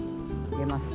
入れます。